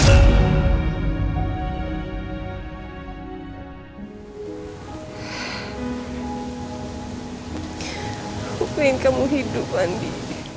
aku pengen kamu hidup andi